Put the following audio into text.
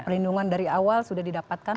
perlindungan dari awal sudah didapatkan